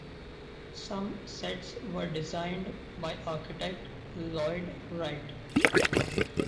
Some sets were designed by architect Lloyd Wright.